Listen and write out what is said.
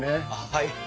はい。